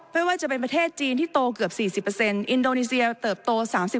ไม่ว่าจะเป็นประเทศจีนที่โตเกือบ๔๐อินโดนีเซียเติบโต๓๐